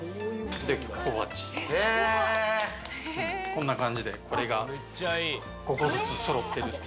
こんな感じでこれが５個ずつそろってる。